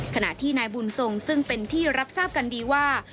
ขณะที่นายบุญทรงซึ่งเป็นที่รับทราบกันดีว่า